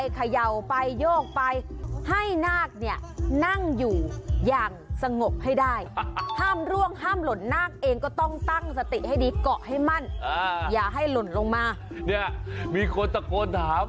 ขยาวนะยังดีอยู่ไหมนะก็ตอบว่าดีดีอยู่ดีนะที่ยังไม่ล่วงนะ